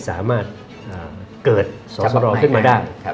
สามารถเกิดสอสรขึ้นมาได้